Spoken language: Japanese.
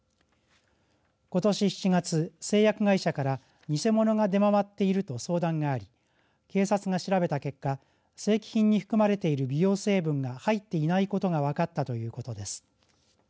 ことし７月、製薬会社から偽物が出回っていると相談があり警察が調べた結果正規品に含まれている美容成分が入っていないことが分かったということです。